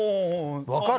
分かる？